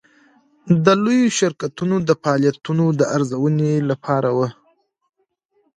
د لویو شرکتونو د فعالیتونو د ارزونې لپاره وه.